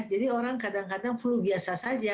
orang kadang kadang flu biasa saja